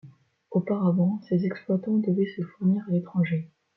Auparavant, ces exploitants devaient se fournir à l'étranger.